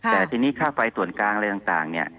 แต่ทีนี้ค่าไฟส่วนกลางอะไรต่างเนี่ย